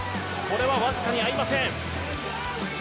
これは僅かに合いません。